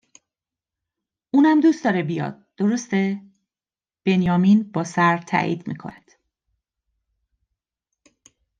اونم دوست داره بیاد، درسته؟ بنیامین با سر تأیید میکند